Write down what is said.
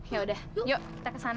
ya udah yuk kita ke sana